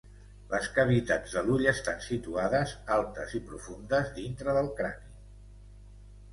Les cavitats de l'ull estan situades altes i profundes dintre del crani.